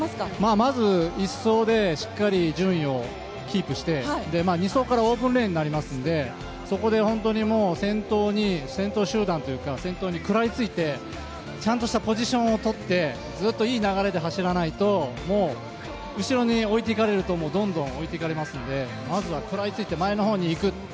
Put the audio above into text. まず１走でしっかり順位をキープして２走からオープンレーンになりますのでそこで本当に先頭集団というか先頭にくらいついてちゃんとしたポジションをとってずっといい流れで走らないと後ろに置いていかれるとどんどん置いていかれますのでまずは食らいついて前のほうに行く。